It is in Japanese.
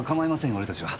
俺たちは。